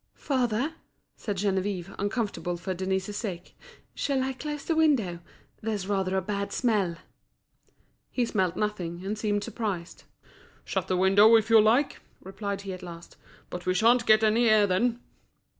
"Father," said Geneviève, uncomfortable for Denise's sake, "shall I close the window? there's rather a bad smell." He smelt nothing, and seemed surprised. "Shut the window if you like," replied he at last. "But we sha'n't get any air then."